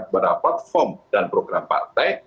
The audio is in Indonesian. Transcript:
kepada platform dan program partai